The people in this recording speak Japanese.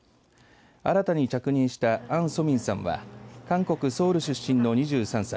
新たに着任したアン・ソミンさんは韓国ソウル出身の２３歳。